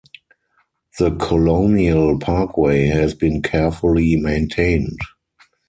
The Colonial Parkway has been carefully maintained.